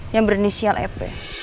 yang bernisi lep